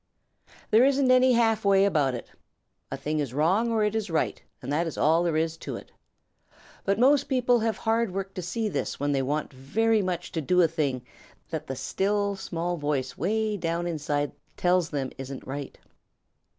There isn't any half way about it. A thing is wrong or it is right, and that is all there is to it. But most people have hard work to see this when they want very much to do a thing that the still small voice way down inside tells them isn't right.